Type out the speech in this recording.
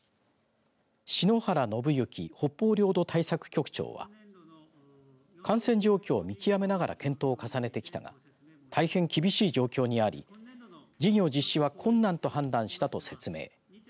篠原信之北方領土対策局長は感染状況を見極めながら検討を重ねてきたが大変厳しい状況にあり事業実施は困難と判断したと説明。